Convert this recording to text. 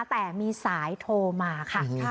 แต่มีสายโทรมาค่ะ